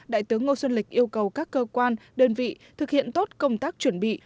đại tướng ngô xuân lịch yêu cầu các cơ quan đơn vị thực hiện tốt công tác chuẩn bị